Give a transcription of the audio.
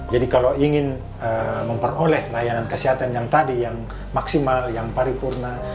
jadi kalau ingin memperoleh layanan kesehatan yang tadi yang maksimal yang paripurna